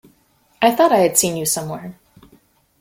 I thought I had seen you somewhere.